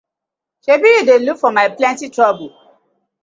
Sebi yu dey look for my plenty trouble.